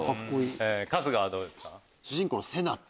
春日はどうですか？